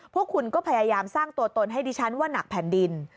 พวกคุณก็พยายามสร้างตัวตนให้ดิฉันว่านักแผ่นดิน